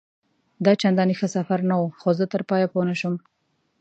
دا چنداني ښه سفر نه وو، خو زه تر پایه پوه نه شوم.